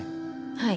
はい